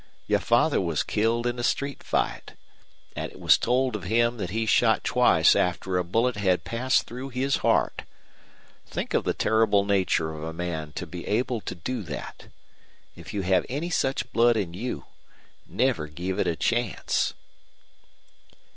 Your father was killed in a street fight. An' it was told of him that he shot twice after a bullet had passed through his heart. Think of the terrible nature of a man to be able to do that. If you have any such blood in you, never give it a chance."